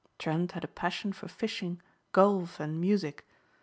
Trent had a passion for fishing, golf and music.